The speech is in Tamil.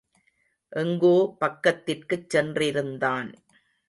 எங்கோ பக்கத்திற்குச் சென்றிருந்தான்.